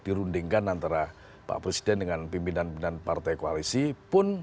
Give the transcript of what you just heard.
dirundingkan antara pak presiden dengan pimpinan pimpinan partai koalisi pun